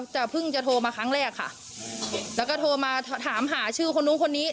เพิ่งจะโทรมาครั้งแรกค่ะแล้วก็โทรมาถามหาชื่อคนนู้นคนนี้